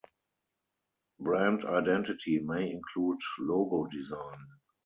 Brand identity may include logo design.